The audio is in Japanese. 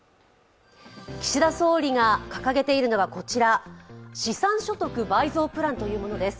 岸田総理が掲げているのは、こちら、資産所得倍増プランというものです。